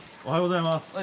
おはようございます。